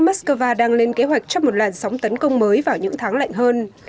moscow đang lên kế hoạch cho một làn sóng tấn công mới vào những tháng lạnh hơn